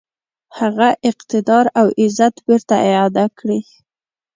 هغه اقتدار او عزت بیرته اعاده کړي.